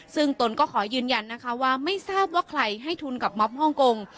ซึ่งตนก็ขอยืนยันนะคะว่าไม่ทราบว่าใครให้ทุนกับม็อบฮ่องกง